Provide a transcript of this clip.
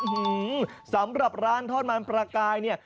สำหรับร้านทอดมันประกายเนี่ย